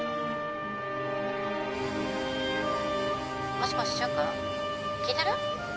「もしもし舜くん？聞いてる？」